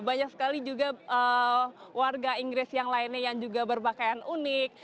banyak sekali juga warga inggris yang lainnya yang juga berpakaian unik